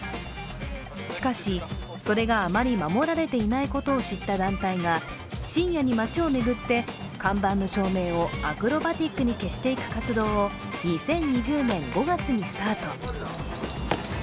しかし、それがあまり守られていないことを知った団体が深夜に街を巡って看板の照明をアクロバティックに消していく活動を２０２０年５月にスタート。